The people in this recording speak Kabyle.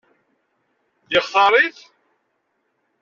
Yextaṛ-it?